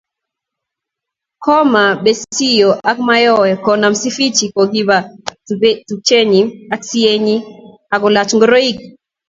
Komabesio ak mayowe konam Sifichi kokiba tupchenyi ak sienyi akolokchi ngoroik